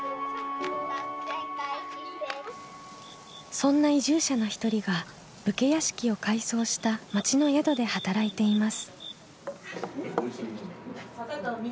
そんな移住者の一人が武家屋敷を改装した町の宿で働いています。